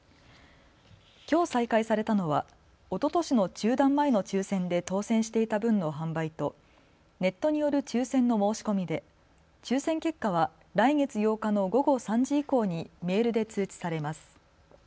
きょう再開されたのはおととしの中断前の抽せんで当選していた分の販売とネットによる抽せんの申し込みで抽せん結果は来月８日の午後３時以降にメールで通知されます。